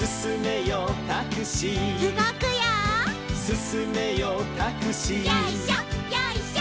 「すすめよタクシー」よいしょよいしょ。